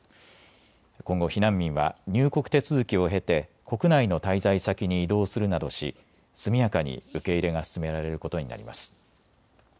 今後、避難民は入国手続きを経て国内の滞在先に移動するなどし速やかに受け入れが進められることになります。